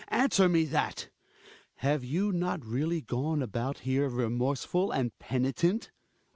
Answer me that ! Have you not really gone about here remorseful and penitent